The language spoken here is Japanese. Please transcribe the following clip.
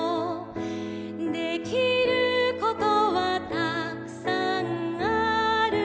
「できることはたくさんあるよ」